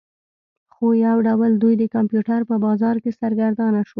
خو یو ډول دوی د کمپیوټر په بازار کې سرګردانه شول